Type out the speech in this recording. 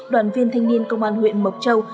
đoàn viên thanh niên công an huyện mộc châu